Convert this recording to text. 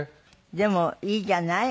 でもいいじゃない。